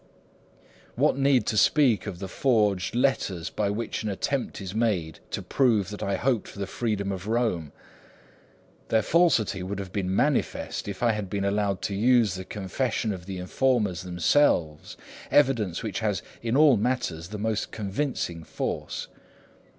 'What need to speak of the forged letters by which an attempt is made to prove that I hoped for the freedom of Rome? Their falsity would have been manifest, if I had been allowed to use the confession of the informers themselves, evidence which has in all matters the most convincing force.